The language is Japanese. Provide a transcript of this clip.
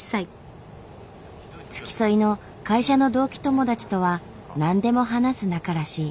付き添いの会社の同期友達とは何でも話す仲らしい。